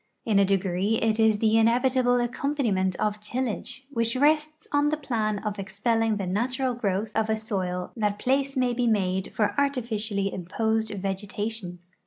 In a degree it is the inevitable accompaniment of tillage, which rests on the jdan of expelling the natural growth of a soil that place may be made for artificially imposed vegetation.